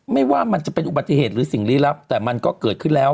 ไม่ว่ามันจะเป็นอุบัติเหตุหรือสิ่งลี้ลับแต่มันก็เกิดขึ้นแล้ว